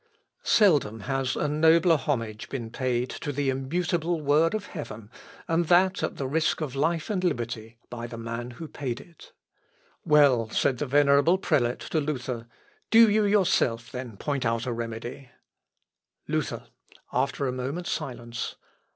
Seldom has a nobler homage been paid to the immutable word of Heaven, and that at the risk of life and liberty by the man who paid it. [Sidenote: LUTHER'S LAST INTERVIEW WITH THE ARCHBISHOP.] "Well," said the venerable prelate to Luther, "do you yourself then point out a remedy." Luther, (after a moment's silence).